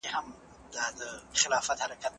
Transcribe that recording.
د دولتونو ترمنځ مشورتي ناستې ګټوري وي.